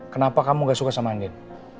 kenapa kamu gak suka sama anjing